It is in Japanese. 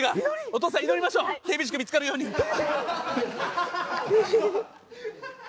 お父さん祈りましょう定菱君見つかるように定菱定菱